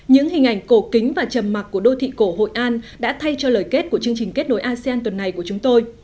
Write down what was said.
những hình ảnh cổ kính và trầm mạc của đô thị cổ hội an đã thay cho lời kết của chương trình kết nối asean tuần này của chúng tôi